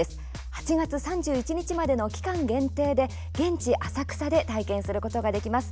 ８月３１日までの期間限定で現地、浅草で体験することができます。